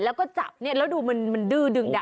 แล้วก็จับมาดูมันดื้อดึงดา้งมาก